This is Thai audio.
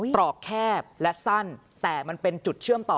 ตรอกแคบและสั้นแต่มันเป็นจุดเชื่อมต่อ